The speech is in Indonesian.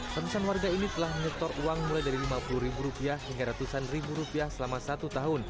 ratusan warga ini telah menyetor uang mulai dari lima puluh ribu rupiah hingga ratusan ribu rupiah selama satu tahun